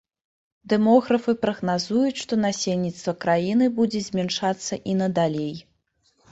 Дэмографы прагназуюць, што насельніцтва краіны будзе змяншацца і надалей.